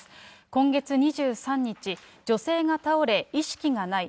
今月２３日、女性が倒れ、意識がない。